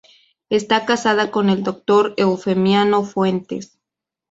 Está casada con el doctor Eufemiano Fuentes.